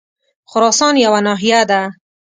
خراسان یوه ناحیه ده.